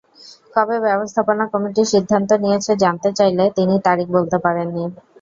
কবে ব্যবস্থাপনা কমিটি সিদ্ধান্ত নিয়েছে জানতে চাইলে, তিনি তারিখ বলতে পারেননি।